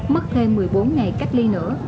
mất thêm một mươi bốn ngày cách ly nữa